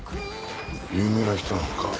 有名な人なのか？